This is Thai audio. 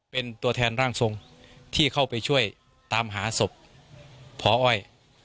เป็นตัวแทนร่างทรงที่เข้าไปช่วยตามหาศพพออ้อย